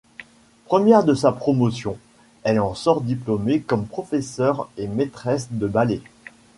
Première de sa promotion, elle en sort diplômée comme professeure et maîtresse de ballet.